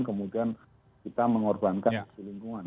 kemudian kita mengorbankan isu lingkungan